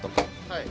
はい。